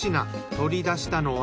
取り出したのは。